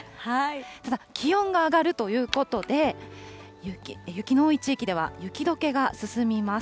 ただ気温が上がるということで、雪の多い地域では、雪どけが進みます。